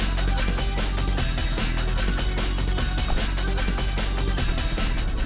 โอ้โฮ